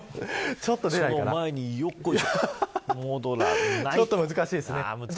ちょっと難しいですね。